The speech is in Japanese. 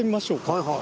はいはい。